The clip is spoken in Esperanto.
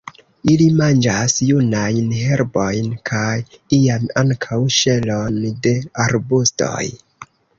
Ili manĝas junajn herbojn, kaj iam ankaŭ ŝelon de arbustoj.